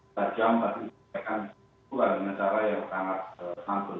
tajam tapi diperbaikan juga dengan cara yang sangat santun